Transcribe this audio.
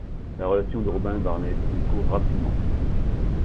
La relation de Robin et Barney, tourne court rapidement.